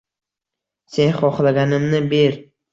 Sen xohlaganimni ber.